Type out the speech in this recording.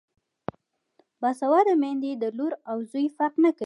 باسواده میندې د لور او زوی فرق نه کوي.